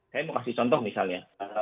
saya mau kasih contoh misalnya